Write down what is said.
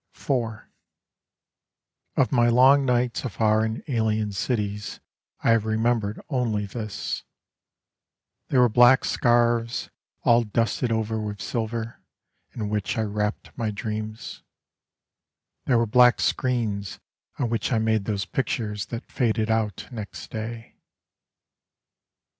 IV Of my long nights afar in alien cities I have remembered only this: They were black scarves all dusted over with silver, In which I wrapped my dreams; They were black screens on which I made those pictures That faded out next day.